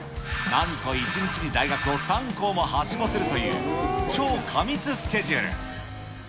なんと１日に大学を３校もはしごするという、超過密スケジュール。